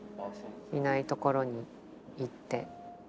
いないところに行って。